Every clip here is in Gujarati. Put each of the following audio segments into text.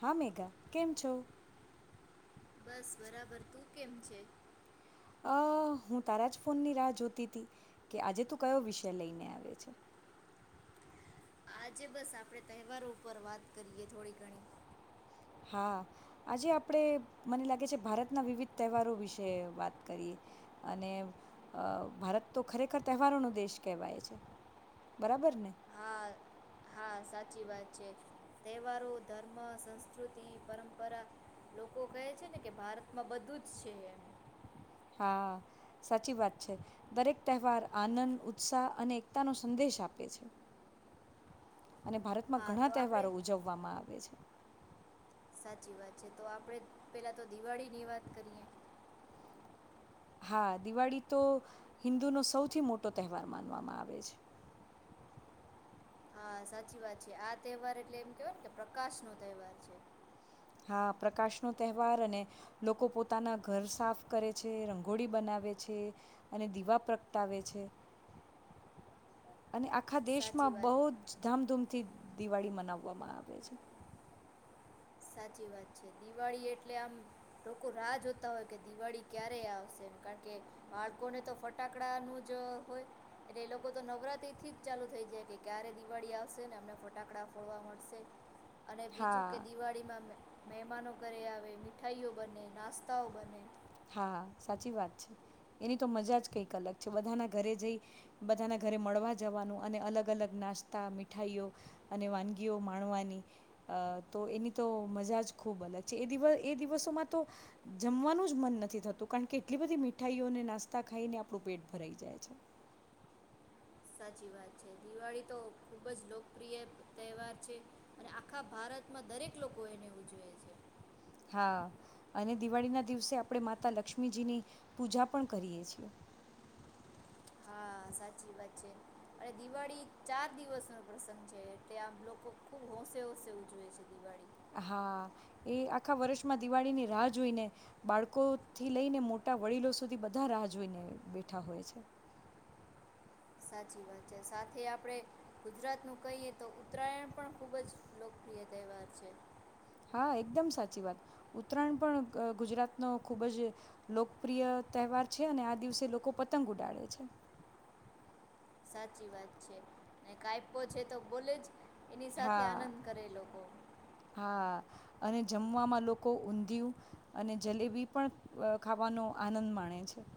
હા મેઘા કેમ છો? બસ બરાબર. તું કેમ છે? અ હું તારા જ ફોનની રાહ જોતી હતી. કે આજે તું કયો વિષય લઈને આવે છે. આજે બસ આપણે તહેવારો ઉપર વાત કરીએ થોડી ઘણી. હા આજે આપણે મને લાગે છે. ભારતના વિવિધ તહેવારો વિશે વાત કરીએ અને ભારત તો ખરેખર તહેવારોનો દેશ કહેવાય છે. બરાબર ને? હા હા સાચી વાત છે. તહેવારો ધર્મ સંસ્કૃતિ પરંપરા લોકો કહે છે ને કે ભારતમાં બધું જ છે એમ. હા સાચી વાત છે. દરેક તહેવાર આનંદ ઉત્સાહ અને એકતાનો સંદેશ આપે છે. અને ભારતમાં હા ઘણા તો તહેવારો આપણે ઉજવવામાં આવે છે. સાચી વાત છે. તો આપડે પેલા તો દિવાળીની વાત કરીએ. હા દિવાળી તો હિન્દુનો સૌથી મોટો તહેવાર માનવામાં આવે છે. હા સાચી વાત છે. આ તહેવાર એટલે એમ કેવાય ને કે પ્રકાશનો તહેવાર છે. હા પ્રકાશનો તહેવાર અને લોકો પોતાના ઘર સાફ કરે છે. રંગોળી બનાવે છે અને દીવા પ્રગટાવે છે. અને આખા સાચી દેશમાં બહુ વાત જ ધામધૂમથી દિવાળી મનાવવામાં આવે છે. સાચી વાત છે. દિવાળી એટલે આમ લોકો રાહ જોતા હોય કે દિવાળી ક્યારે આવશે એ કારણ કે બાળકોને તો ફટાકડા ન જ હોય એટલે એ લોકો તો નવરાત્રી થી જ ચાલુ થઈ જાય કે ક્યારે દિવાળી આવશે ને અમને ફટાકડા ફોડવા મળશે. અને બીજું કે હા ડીમાં મહેમાનો ઘરે આવે મીઠાઈઓ બને નાસ્તાઓ બને હા સાચી વાત છે. એની તો મજા જ કઈક અલગ છે. બધાના ઘરે જઈ બધાના ઘરે મળવા જવાનું અને અલગ-અલગ નાસ્તા મીઠાઈઓ અને વાનગીઓ માણવાની અ તો એની તો મજા જ ખુબ અલગ છે. એ દિવ એ દિવસોમાં તો જમવાનું જ મને નથી થતું કારણ કે એટલી બધી મીઠાઈઓ અને નાસ્તા ખાઈને આપણું પેટ ભરાઈ જાય છે. સાચી વાત છે. દિવાળી તો ખુબ જ લોકપ્રિય તહેવાર છે. અને આખા ભારતમાં દરેક લોકો એને ઉજવે છે. હા અને દિવાળીના દિવસે આપણે માતા લક્ષ્મીજીની પૂજા પણ કરીએ છીએ. હા સાચી વાત છે. અરે દિવાળી ચાર દિવસ નો પ્રસંગ છે. એ આમ લોકો ખુબ હોંશે હોંશે ઉજવે છે. દિવાળી હા એ આખા વર્ષમાં દિવાળી ની રાહ જોઈને બાળકોથી લઈને મોટા વડીલો સુધી બધા રાહ જોઈને બેઠા હોય છે. સાચી વાત છે. સાથે આપણે ગુજરાત નું કહીએ તો ઉત્તરાયણ પણ ખુબ જ લોકપ્રિય તહેવાર છે. હા એકદમ સાચી વાત ઉત્તરાયણ પણ ગુજરાતનો ખૂબ જ લોકપ્રિય તહેવાર છે. અને આ દિવસે લોકો પતંગ ઉડાડે છે. સાચી વાત છે. ને કાયો છે તો બોલે જ. એની સાથે હા આનંદ કરે લોકો. હા અને જમવામાં લોકો ઊંધિયું અને જલેબી પણ ખાવાનો આનંદ માણે છે.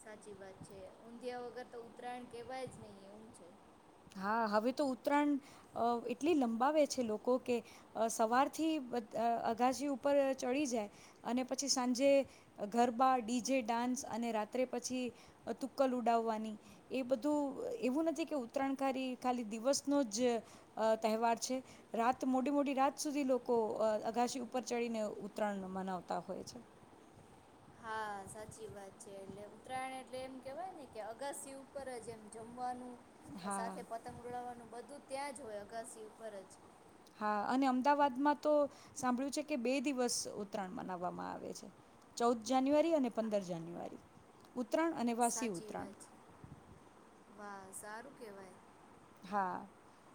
સાચી વાત છે. ઊંધિયા વગર તો ઉત્તરાયણ કેવાય જ નહી એવમ છે. હા હવે તો ઉત્તરાયણ અ એટલી લંબાવે છે. લોકો કે સવારથી અગાજી ઉપર ચડી જાય અને પછી સાંજે ગરબા ડીજે ડાન્સ અને રાત્રે પછી તુક્કલ ઉડાવવાની એ બધું એવું નથી કે ઉત્તરાયણકારી ખાલી દિવસનો જ તહેવાર છે. રાત મોડી-મોડી રાત સુધી લોકો અગાશી ઉપર ચડીને ઉત્તરાયણ મનાવતા હોય છે. હા સાચી વાત છે. એટલે ઉત્તરાયણ એટલે એમ કેવાય ને કે અગાસી ઉપર જ એમ જમવાનું હા સાથે પતંગ ઉડાવવાનું બધું જ ત્યાં જ હોય અગાસી ઉપર જ. હા અને અમદાવાદમાં તો સાંભળ્યું છે. કે બે દિવસ ઉત્તરાયણ મનાવવામાં આવે છે. ચૌદ જાન્યુઆરી અને હા પંદર જાન્યુઆરી. ઉત્તરાયણ અને વાર્ષિક સાચી ઉત્તરાયણ વાત છે વાહ સારું કહેવાય. હા,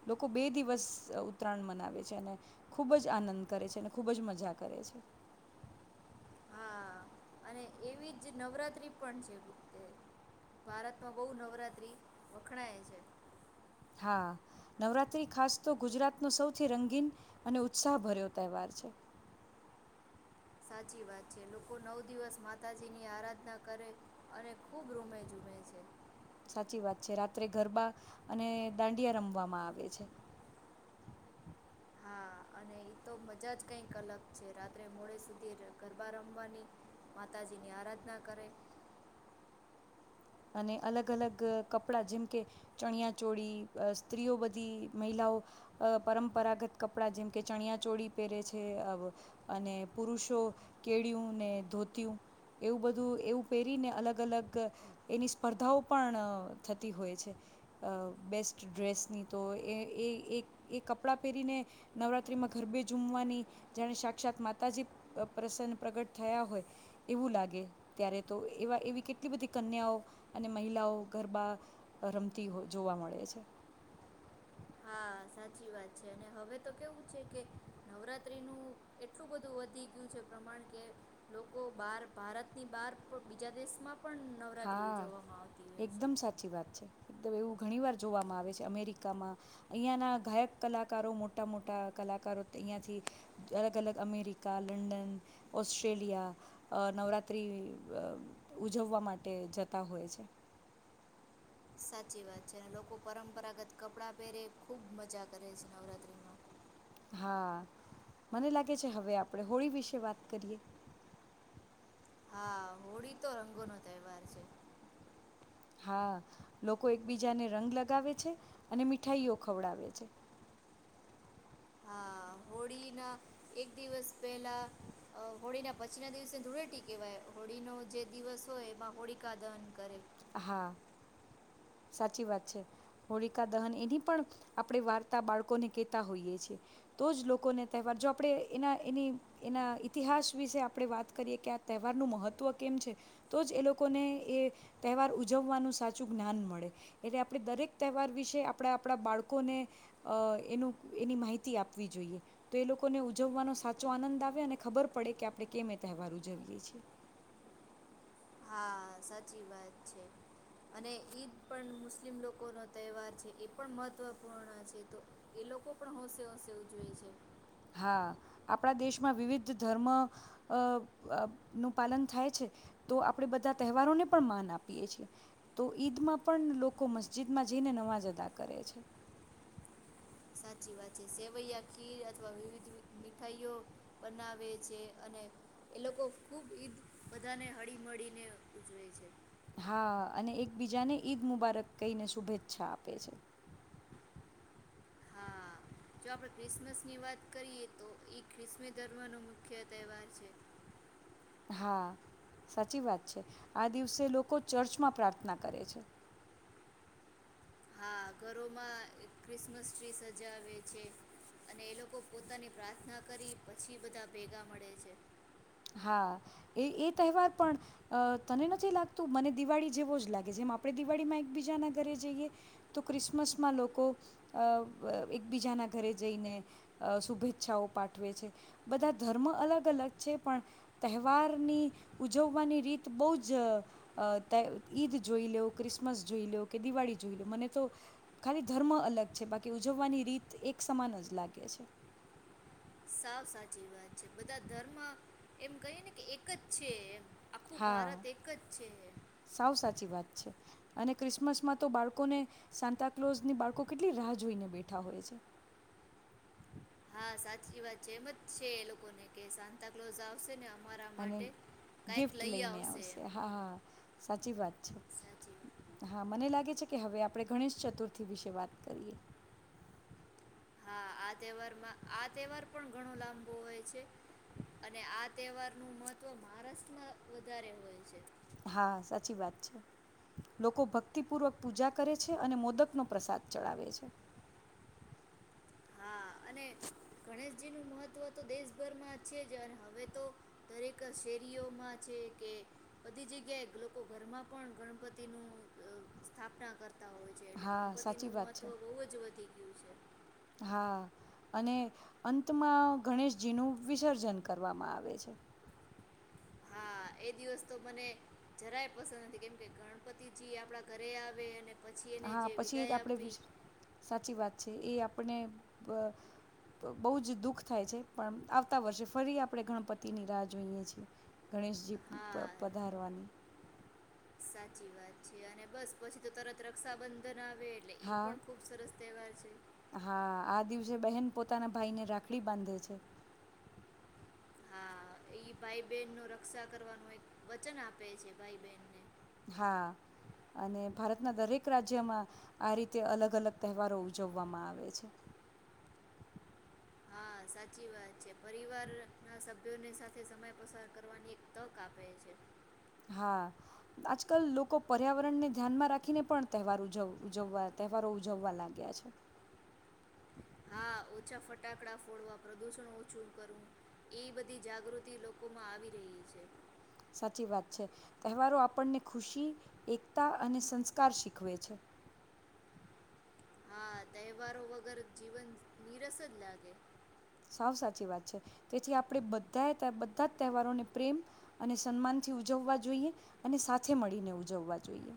લોકો બે દિવસ ઉત્તરાયણ મનાવે છે અને ખૂબ જ આનંદ કરે છે અને ખૂબ જ મજા કરે છે. હા અને એવી જ નવરાત્રી પણ છે. ભારતમાં બહુ નવરાત્રી વખણાય છે. હા, નવરાત્રી ખાસ તો ગુજરાતનો સૌથી રંગીન અને ઉત્સાહભર્યો તહેવાર છે. સાચી વાત છે. લોકો નવ દિવસ માતાજીની આરાધના કરે અને ખુબ રૂમે જુવે છે. સાચી વાત છે રાત્રે ગરબા અને દાંડિયા રમવામાં આવે છે. હા, અને એ તો મજા જ કઈક અલગ છે રાત્રે મોડે સુધી ગરબા રમવાની માતાજીની આરાધના કરે અને અલગ અલગ કપડાં જેમ કે ચણિયાચોળી સ્ત્રીઓ બધી મહિલાઓ પરંપરાગત કપડાં જેમકે ચણિયાચોળી પહેરે છે અવ અને પુરુષો કેળ્યું ને ધોત્યું એવું બધું એવું પહેરીને અલગ અલગ એની સ્પર્ધાઓ પણ થતી હોય છે અ બેસ્ટ ડ્રેસની તો એ-એક-એ કપડાં પહેરીને નવરાત્રિમાં ગરબે ઝુમવાની જાણે સાક્ષાત માતાજી પ્રસન્ન પ્રગટ થયા હોય એવું લાગે ત્યારે તો એવા એવી કેટલી બધી કન્યાઓ અને મહિલાઓ ગરબા રમતી જોવા મળે છે. હા, સાચી વાત છે અને હવે તો કેવું છે કે નવરાત્રીનું એટલું બધું વધી ગયું છે પ્રમાણ કે લોકો બહાર ભારતની બહાર પણ બીજા દેશમાં પણ નવરાત્રિ હા, ઉજવવામાં આવતી હોય છે એકદમ સાચી વાત છે એકદમ એવું ઘણીવાર જોવામાં આવે છે. અમેરિકામાં અહીંયાના ગાયક કલાકારો મોટા-મોટા કલાકારો અહીંયાથી અલગ અલગ અમેરિકા, લંડન, ઓસ્ટ્રેલિયા નવરાત્રિ ઉજવવા માટે તે જતા હોય છે. સાચી વાત છે અને લોકો પરંપરાગત કપડાં પહેરે ખુબ મજા કરે છે નવરાત્રીમાં. હા, મને લાગે છે હવે આપણેે હોળી વિશે વાત કરીએ. હા, હોળી તો રંગો નો તહેવાર છે. હા, લોકો એકબીજાને રંગ લગાવે છે અને મીઠાઈઓ ખવડાવે છે. હા, હોળીના એક દિવસ પહેલા હોળીના પછી ના દિવસે ધૂળેટી કહેવાય. હોળીનો જે દિવસ હોય એમાં હોળીકાા દહન કરે. હા, સાચી વાત છે હોળિકા દહન એની પણ આપણે વાર્તા બાળકોને કેહતા હોઈએ છેીએ તો જ લોકોને તહેવાર જો આપણે એના એની એના ઈતિહાસ વિશે આપણે વાત કરીએ કે આ તહેવારનું મહત્વ કેમ છે તો જ એ લોકોને એ તહેવાર ઉજવવાનું સાચું જ્ઞાન મળે એટલે આપણે દરેક તહેવાર વિશે આપડા આપણા બાળકોને અ એનું એની માહિતી આપવી જોઈએ તો એ લોકોને ઉજવવાનો સાચો આનંદ આવે અને ખબર પડે કે આપણે કેમ એ તહેવાર ઉજવીએ છીએ. હા, સાચી વાત છે અને ઈદ પણ મુસ્લિમ લોકો નો તહેવાર છે એ પણ મહત્વપૂર્ણ છે તો એ લોકો પણ હોંશે હોંશે ઉજવે છે. હા, આપણા દેશમાં વિવિધ ધર્મ અ નું પાલન થાય છે તો આપણે બધા તહેવારોને પણ માન આપીએ છેીએ તો ઈદમાં પણ લોકો મસ્જિદમાં જઈને નવાજ અદા કરે છે. સાચી વાત છે. સેવૈયા, ખીર અથવા વિવિધ મીઠાઈઓ બનાવે છે અને એ લોકો ખુબ ઈદ બધાને હળી મળીને ઉજવે છે. હા, અને એકબીજાને ઈદ મુબારક કહીને શુભેચ્છા આપે છે. હા, જો આપડ ક્રિસમસ ની વાત કરીએ તો એ ખ્રિસ્મી ધર્મ નો મુખ્ય તહેવાર છે. હા, સાચી વાત છે આ દિવસે લોકો ચર્ચમાં પ્રાર્થના કરે છે. આ ઘરોમાં ક્રિસમસ ટ્રી સજાવે છે અને એ લોકો પોતાની પ્રાર્થના કરી પછી બધા ભેગા મળે છે. હા, એ-એ તહેવાર પણ તને નથી લાગતું મને દિવાળી જેવો જ લાગે જેમ આપણે દિવાળીમાં એકબીજાના ઘરે જઈએ તો ક્રિસમસમાં લોકો અ એકબીજાના ઘરે જઈને શુભેચ્છાઓ પાઠવે છે. બધા ધર્મ અલગ અલગ છે પણ તહેવારની ઉજવવાની રીત બહુ જ અ ઈદ જોઈ લ્યો, ક્રિસમસ જોઈ લ્યો કે દિવાળી જોઈ લ્યો મને તો ખાલી ધર્મ અલગ છે બાકી ઉજવવાની રીત એક સમાન જ લાગે છે. સાવ સાચી વાત છે બધા ધર્મ એમ કહી ને કે એક જ છે એમ. આખું હા, ભારત એક જ છે સાવ સાચી વાત છે. અને ક્રિસમસમાં તો બાળકોને સાતાક્લોઝની બાળકો કેટલી રાહ જોઈને બેઠા હોય છે. હા, સાચી વાત છે એમ જ છે એ લોકોને કે સાન્તાક્લોઝ આવશે ને અમારા અને માટે કાંઈક ગિફ્ટ લઈ લઈને એમ આવશે. હા, હા, સાચી વાત છે. સાચી વાત હા મને લાગે છે કે હવે આપણે ગણેશ ચતુર્થી વિશે વાત કરીએ. હા આ તહેવારમાં આ તહેવાર પણ ઘણો લાંબો હોય છે અને આ તહેવારનું મહત્ત્વ મહારાષ્ટ્રમાં વધારે હોય છે. હા, સાચી વાત છે લોકો ભક્તિપૂર્વક પૂજા કરે છે અને મોદક નો પ્રસાદ ચડાવે છે. હ અને ગણેશજીનું મહત્વ તો દેશભરમાં છે જ અને હવે તો દરેક શેરીઓમાં છે કે બધી જગ્યાએ લોકો ઘરમાં પણ ગણપતિનું સ્થાપના કરતા હોય છે એટલે હા, સાચી ગણપતિનું વાત છે. મહત્ત્વ બહુ જ વધી ગયું છે હા, અને અંતમાં ગણેશજી નું વિસર્જન કરવામાં આવે છે. હા, એ દિવસ તો મને જરાય પસંદ નથી કેમકે ગણપતિજી આપડા ઘરે આવે અને પછી એને હા, જે પછી એ જ વિદાય આપડે આપવી વિશ્ સાચી વાત છે એ આપ આપણે બહુ જ દુઃખ થાય છે. પણ આવતા વર્ષે ફરી આપણે ગણપતિની રાહ જોઈએ છીએ. ગણેશજી હા પધારવાની સાચી વાત છે. અને બસ પછી તો તરત રક્ષાબંધન બનાવે એટલે એ હા પણ ખૂબ સરસ તહેવાર છે. હા આ દિવસે બહેન પોતાના ભાઈ ને રાખડી બાંધે છે. ઈ ભાઈ બહેન ન રક્ષા કરવાનું એક વચન આપે છે. ભાઈ બહેનને હા અને ભારતના દરેક રાજ્યમાં આ રીતે અલગ અલગ તહેવારો ઉજવવામાં આવે છે. હા સાચી વાત છે. પરિવાર ના સભ્યોની સાથે સમય પસાર કરવાની એક તક આપે છે. હા આજકાલ લોકો પર્યાવરણને ધ્યાનમાં રાખીને પણ તહેવાર ઉ ઉજવવા તહેવારો ઉજવવા લાગ્યા છે. હા ઓછા ફટાકડા ફોડવા પ્રદુષણ ઓછું કરવું એ બધી જાગૃતિ લોકોમાં આવી રહી છે. સાચી વાત છે. તહેવારો આપણને ખુશી એકતા અને સંસ્કાર શીખવે છે. હા તહેવારો વગર જીવન નિનીરસ જ લાગે. સાવ સાચી વાત છે. તેથી આપણે બધા બધા જ તહેવારોને પ્રેમ અને સન્માનથી ઉજવવા જોઈએ. અને સાથે મળીને ઉજવવા જોઈએ.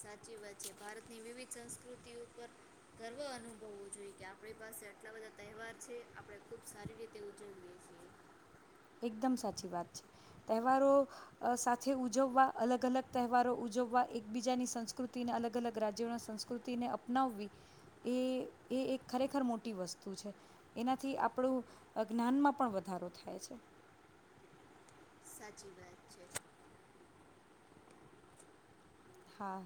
સાચી વાત છે. ભારતની વિવિધ સંસ્કૃતિ પર ગર્વ અનુભવવું જોઈ કે આપણી પાસે આટલા બધા તહેવાર છે. આપણે ખુબ સારી રીતે ઉજવીએ છીએ. એકદમ સાચી વાત છે. તહેવારો સાથે ઉજવવા અલગ-અલગ તહેવારો ઉજવવા એકબીજાની સંસ્કૃતિના અલગ-અલગ રાજ્યોના સંસ્કૃતિને અપનાવવી એ એ એક ખરેખર મોટી વસ્તુ છે. એનાથી આપણું જ્ઞાનમાં પણ વધારો થાય છે. સાચી વાત છે. હા.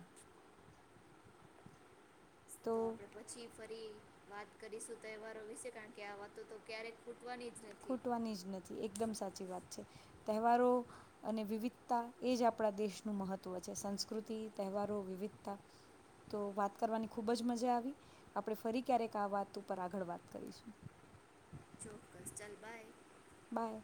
તો આપડે પછી ફરી વાત કરીશું તહેવારો વિશે કારણ કે આ વાતો તો ક્યારેકૂ ખૂટવાની જ નથી એકદમ સાચી સાચી વાત છે. તહેવારો અને વિવિધતા એ જ આપણા દેશનું મહત્વ છે. સંસ્કૃતિ તહેવારો વિવિધતા તો વાત કરવાની ખૂબ જ મજા આવી આપણે ફરી ક્યારેક આ વાત ઉપર આગળ વાત કરીશું. ચોક્કસ ચાલ બાય બાય.